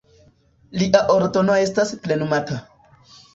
Lia ordono estas plenumata.